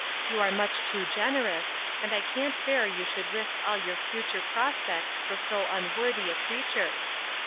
You are much too generous, and I can't bear you should risk all your future prospects for so unworthy a creature.